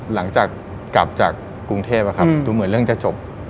หลังจากกลับจากกรุงเทพดูเหมือนเรื่องจะจบ